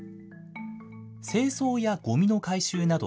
清掃やごみの回収など、